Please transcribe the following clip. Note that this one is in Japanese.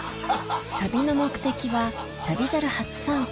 旅の目的は『旅猿』初参加